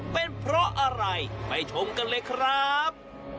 เป็นเพราะอะไรไปชมกันเลยครับ